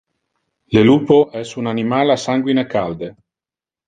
Le lupo es un animal a sanguine calde.